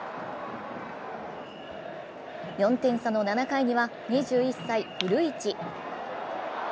４点差の７回には２１歳、古市。